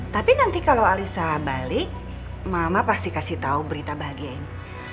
tapi nanti kalau alisa balik mama pasti kasih tahu berita bahagia ini